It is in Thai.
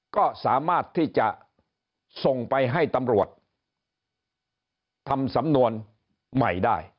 ก็สามารถที่จะส่งไปให้ตำรวจทำสำนวนใหม่ได้